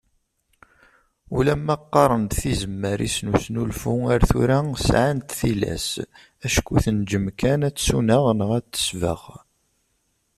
Ulamma qqaren-d tizemmar-is n usnulfu ar tura sɛant tilas, acku tenǧem kan ad tsuneɣ neɣ ad tesbeɣ.